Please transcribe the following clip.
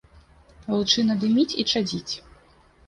Лучына дыміць і чадзіць.